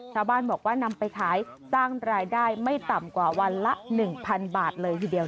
ชาวบ้านบอกว่านำไปขายสร้างรายได้ไม่ต่ำกว่าวันละ๑๐๐๐บาทเลยทีเดียว